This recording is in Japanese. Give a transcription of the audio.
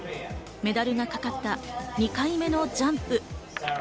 メダルがかかった２回目のジャンプ。